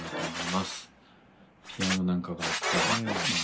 ピアノなんかがあったりまあ